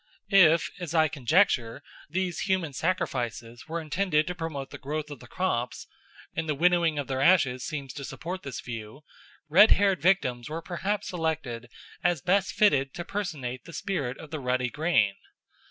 If, as I conjecture, these human sacrifices were intended to promote the growth of the crops and the winnowing of their ashes seems to support this view redhaired victims were perhaps selected as best fitted to personate the spirit of the ruddy grain.